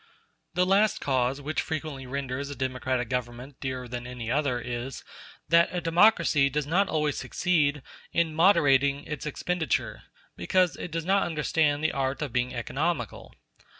The last cause which frequently renders a democratic government dearer than any other is, that a democracy does not always succeed in moderating its expenditure, because it does not understand the art of being economical.